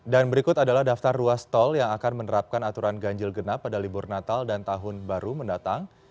dan berikut adalah daftar ruas tol yang akan menerapkan aturan ganjil genap pada libur natal dan tahun baru mendatang